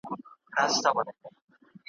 شیخه زما یې ژبه حق ویلو ته تراشلې ده `